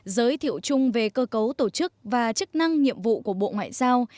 giới thiệu chung về cơ cấu tổ chức và chức năng nhiệm vụ của bộ ngoại giao